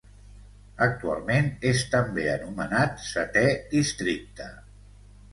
Actualment és també anomenat setè districte.